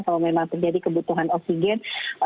kalau memang terjadi kebutuhan oksigen